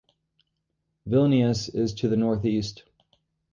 Vilnius is to the northeast.